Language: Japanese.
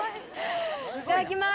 いただきます！